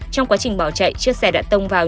trong quá trình bỏ chạy chiếc xe đã tông vào